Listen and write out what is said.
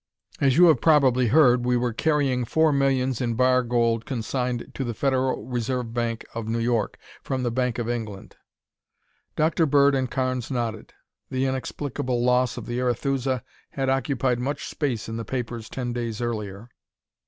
As you have probably heard, we were carrying four millions in bar gold consigned to the Federal Reserve Bank of New York from the Bank of England." Dr. Bird and Carnes nodded. The inexplicable loss of the Arethusa had occupied much space in the papers ten days earlier.